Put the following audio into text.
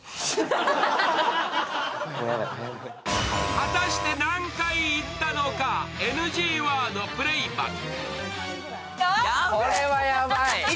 果たして何回言ったのかＮＧワードプレイバック。